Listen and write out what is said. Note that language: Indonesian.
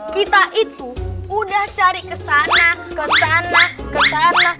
kita itu udah cari kesana kesana kesana